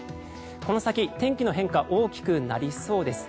この先、天気の変化大きくなりそうです。